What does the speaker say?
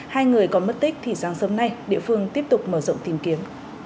hai người còn mất tích thì sáng sớm nay địa phương tiếp tục mở rộng tìm kiếm